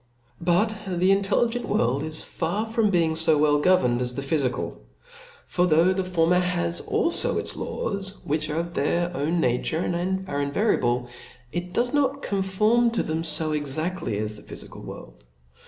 But the intelligent world is far from being fo Well governed as thephyfical. For though the for mer has alfo its laws, which of their own nature are invariable, it does not conform to them fo exaftly as the phyfical world.